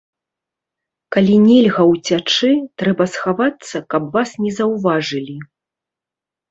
Калі нельга ўцячы, трэба схавацца, каб вас не заўважылі.